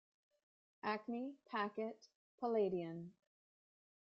Acme Packet Palladion.